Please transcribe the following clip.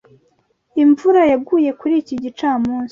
Imvura yaguye kuri iki gicamunsi.